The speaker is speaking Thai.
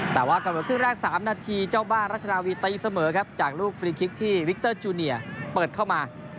แต่ว่ากำหนดครึ่งแรก๓นาทีเจ้าบ้านรัชนาวีตีเสมอครับจากลูกฟรีคิกที่วิกเตอร์จูเนียเปิดเข้ามา